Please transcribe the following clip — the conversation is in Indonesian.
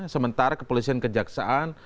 sementara kepolisian kejaksaan